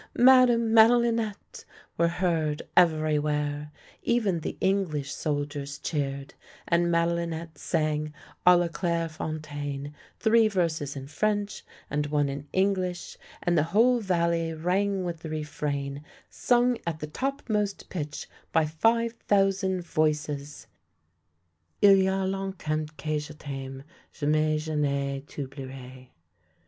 Madame Made linette! " were heard everywhere. Even the English soldiers cheered, and Madelinette sang h la Claire Fon taine, three verses in French and one in English, and the whole valley rang with the refrain sung at the topmost pitch by five thousand voices :" I'ya longtemps que je t'aime, Jamais jc ne t'oublierai."